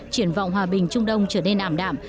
triển vọng hòa bình trung đông trở nên ảm đạm